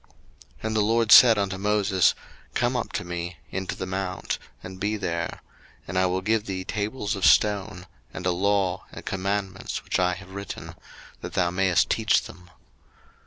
02:024:012 And the LORD said unto Moses, Come up to me into the mount, and be there: and I will give thee tables of stone, and a law, and commandments which I have written; that thou mayest teach them.